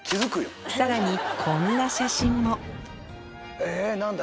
さらにこんな写真も何だ？